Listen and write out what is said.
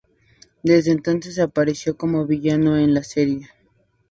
Desde entonces apareció como villano en la serie.